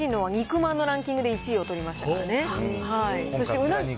聘珍樓は肉まんのランキングで１位を取りましたね。